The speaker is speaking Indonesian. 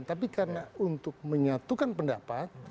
tapi karena untuk menyatukan pendapat